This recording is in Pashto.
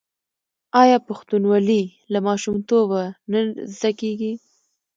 آیا پښتونولي له ماشومتوبه نه زده کیږي؟